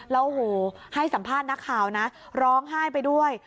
แล้วโอ้โหให้สัมภาษณ์นักข่าวนะร้องไห้ไปด้วย